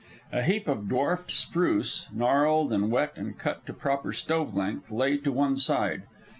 A heap of dwarfed spruce, gnarled and wet and cut to proper stove length, lay to one side.